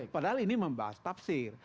padahal ini membahas tafsir